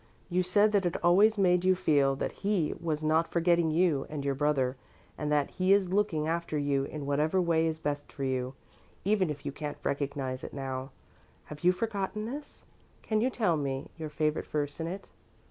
You said that it always made you feel that He was not forgetting you and your brother, and that he is looking after you in whatever way is best for you, even if you can't recognize it now. Have you forgotten this? Can you tell me your favorite verse in it?"